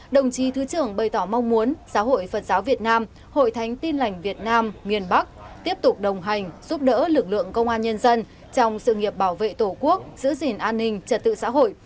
đồng chí thứ trưởng bày tỏ mong muốn giáo hội phật giáo việt nam hội thánh tin lảnh việt nam miền bắc tiếp tục đồng hành giúp đỡ lực lượng công an nhân dân trong sự nghiệp bảo vệ tổ quốc giữ gìn an ninh trật tự xã hội